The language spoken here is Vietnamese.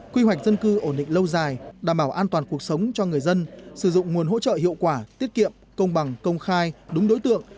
quy hoạch dân cư ổn định lâu dài đảm bảo an toàn cuộc sống cho người dân sử dụng nguồn hỗ trợ hiệu quả tiết kiệm công bằng công khai đúng đối tượng